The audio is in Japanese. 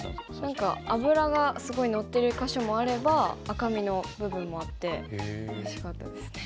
何か脂がすごい乗ってる箇所もあれば赤身の部分もあっておいしかったですね。